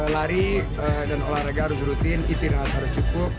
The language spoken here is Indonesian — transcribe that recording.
lari dan olahraga harus rutin istirahat harus cukup